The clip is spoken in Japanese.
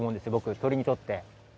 鳥にとって？